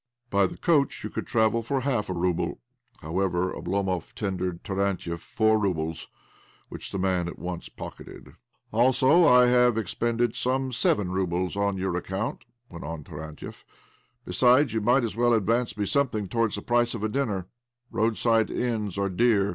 "By the coach you could travel for half a rouble." However, Oblomov tendered Tarantiev four roubles, which the man at once pocketed. " Also, I have expended some seven roubles on your account," went on Tarantiev. " Besides, you might as well advance me something towards the price of a dinner. 198 OBLOMOV Roadside inns are dear.